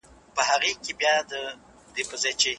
زه د خپلو وړتياوو کارولو هڅه کوم.